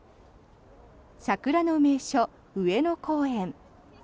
桜の名所、上野公園。